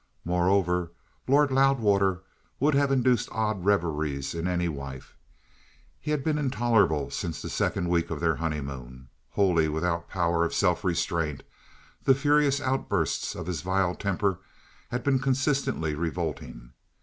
Moreover, Lord Loudwater would have induced odd reveries in any wife. He had been intolerable since the second week of their honeymoon. Wholly without power of self restraint, the furious outbursts of his vile temper had been consistently revolting.